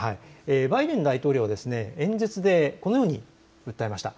バイデン大統領は演説でこのように訴えました。